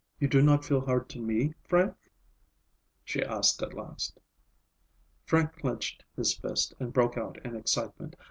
"You do not feel hard to me, Frank?" she asked at last. Frank clenched his fist and broke out in excitement.